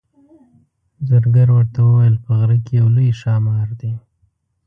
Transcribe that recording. زرګر ورته وویل په غره کې یو لوی ښامار دی.